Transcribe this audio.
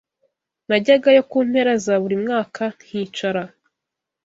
najyagayo ku mpera za buri mwaka nkicara